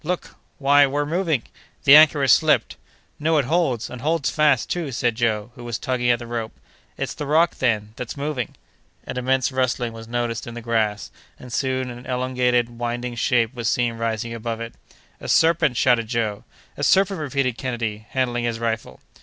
"Look! Why, we're moving!" "The anchor has slipped!" "No; it holds, and holds fast too!" said Joe, who was tugging at the rope. "It's the rock, then, that's moving!" An immense rustling was noticed in the grass, and soon an elongated, winding shape was seen rising above it. "A serpent!" shouted Joe. "A serpent!" repeated Kennedy, handling his rifle.